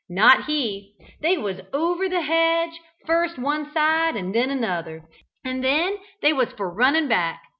Not he: they was over the hedge, first one side and then another, and then they was for running back.